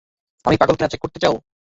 আমি পাগল কিনা চেক করতে চাও?